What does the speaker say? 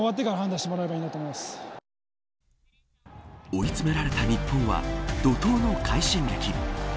追い詰められた日本は怒涛の快進撃。